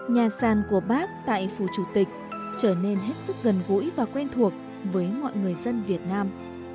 nhà sàn của bác tại phủ chủ tịch trở nên hết sức gần gũi và quen thuộc với mọi người dân việt nam